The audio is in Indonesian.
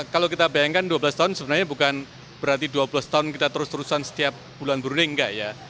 kalau kita bayangkan dua belas tahun sebenarnya bukan berarti dua belas tahun kita terus terusan setiap bulan berunding enggak ya